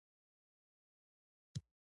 دټولنپېژندې ظریه